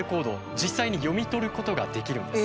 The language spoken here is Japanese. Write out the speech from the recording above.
実際に読み取ることができるんです。